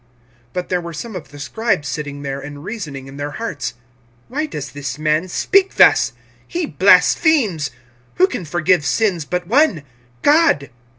(6)But there were some of the scribes sitting there, and reasoning in their hearts: (7)Why does this man speak thus? He blasphemes. Who can forgive sins but one, God?